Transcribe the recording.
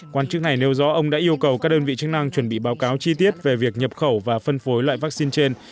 quan chức này nêu rõ ông đã yêu cầu các đơn vị chức năng chuẩn bị báo cáo chi tiết về việc nhập khẩu và phân phối loại vaccine trên